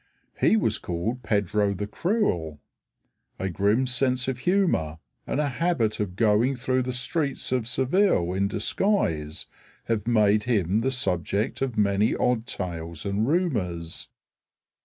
He was called Pedro the Cruel. A grim sense of humor and a habit of going through the streets of Seville in disguise have made him the subject of many odd tales and rumors.